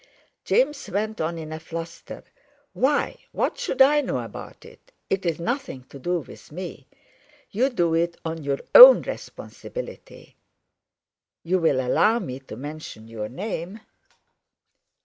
James went on in a fluster: "Why, what should I know about it? It's nothing to do with me! You do it on your own responsibility." "You'll allow me to mention your name?"